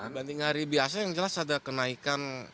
dibanding hari biasa yang jelas ada kenaikan